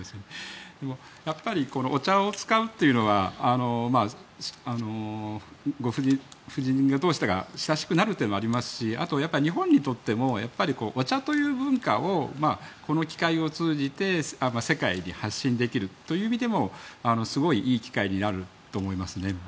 やっぱりお茶を使うというのはご夫人同士が親しくなるというのもありますし日本にとってもお茶という文化をこの機会を通じて世界に発信できるという意味でもすごいいい機会になると思いますね。